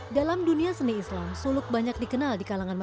jadi misalnya di fifa jako bisanya